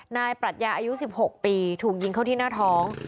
ปรัชญาอายุ๑๖ปีถูกยิงเข้าที่หน้าท้อง